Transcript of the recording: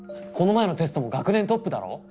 この前のテストも学年トップだろ？